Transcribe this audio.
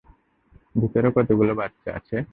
ভিতরে কতগুলো বাচ্চা আছে?